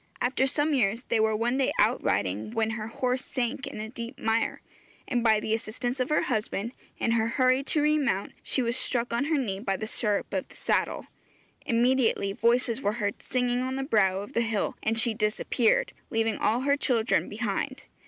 After some years, they were one day out riding, when her horse sank in a deep mire, and by the assistance of her husband, in her hurry to remount, she was struck on her knee by the stirrup of the saddle. Immediately voices were heard singing on the brow of the hill, and she disappeared, leaving all her children behind.